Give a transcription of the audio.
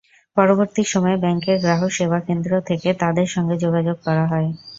পরবর্তী সময়ে ব্যাংকের গ্রাহক সেবাকেন্দ্র থেকে তাঁদের সঙ্গে যোগাযোগ করা হয়।